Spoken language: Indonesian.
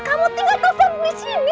kamu tinggal telepon disini